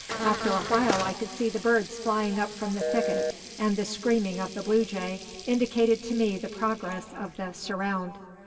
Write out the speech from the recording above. After a while I could see the birds flying up from the thicket, and the screaming of the blue jay indicated to me the progress of the "surround."